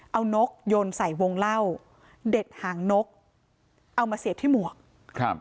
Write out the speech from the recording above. เอานกโยนใส่วงเล่าเด็กหางนกเอามาเสียบที่หมวกครับ